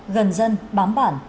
gần dân bám bản